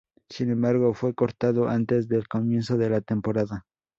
Sin embargo, fue cortado antes del comienzo de la temporada.